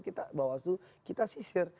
kita bawah situ kita sisir